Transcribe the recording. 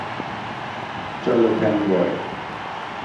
চলো, ফ্যানবয়!